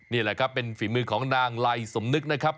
นี่แหละครับเป็นฝีมือของนางไลสมนึกนะครับ